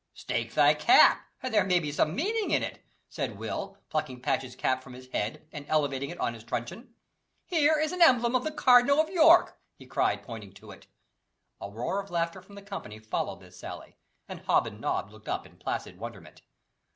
"Stake thy cap, and there may be some meaning in it," said Will, plucking Patch's cap from his head and elevating it on his truncheon. "Here is an emblem of the Cardinal of York," he cried, pointing to it. A roar of laughter from the company followed this sally, and Hob and Nob looked up in placid wonderment.